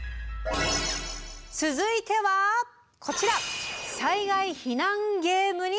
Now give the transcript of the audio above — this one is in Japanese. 続いてはこちら！